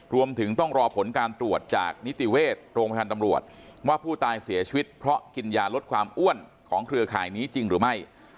รวมถึงต้องรอผลการตรวจจากนิติเวชโรงพยาบาลตำรวจว่าผู้ตายเสียชีวิตเพราะกินยาลดความอ้วนของเครือข่ายนี้จริงหรือไม่